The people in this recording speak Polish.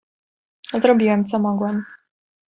"Zrobiłem co mogłem."